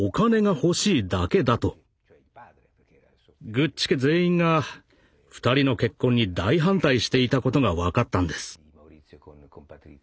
グッチ家全員が２人の結婚に大反対していたことが分かったんです。